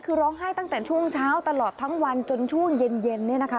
คือร้องไห้ตั้งแต่ช่วงเช้าตลอดทั้งวันจนช่วงเย็นเนี่ยนะคะ